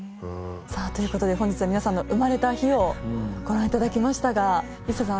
さあという事で本日は皆さんの生まれた日をご覧いただきましたがＩＳＳＡさん